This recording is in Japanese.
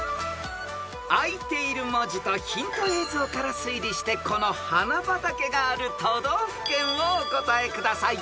［開いている文字とヒント映像から推理してこの花畑がある都道府県をお答えください］